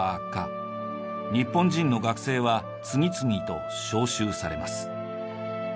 日本人の学生は次々と召集されます。